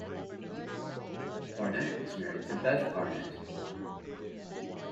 Barnett is married to Beth Barnett.